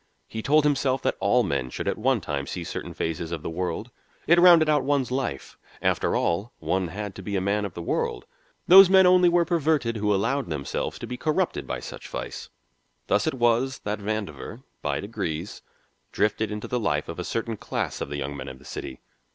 He told himself that all men should at one time see certain phases of the world; it rounded out one's life. After all, one had to be a man of the world. Those men only were perverted who allowed themselves to be corrupted by such vice. Thus it was that Vandover, by degrees, drifted into the life of a certain class of the young men of the city.